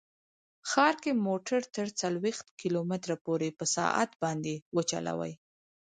ښار کې موټر تر څلوېښت کیلو متره پورې په ساعت باندې وچلوئ